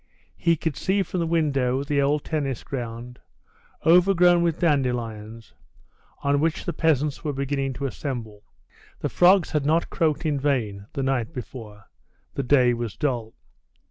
He could see from the window the old tennis ground, overgrown with dandelions, on which the peasants were beginning to assemble. The frogs had not croaked in vain the night before; the day was dull.